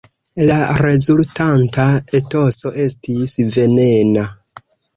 La rezultanta etoso estis venena.